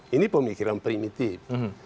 ini pemikiran primitif